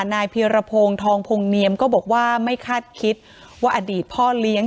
เพียรพงศ์ทองพงเนียมก็บอกว่าไม่คาดคิดว่าอดีตพ่อเลี้ยง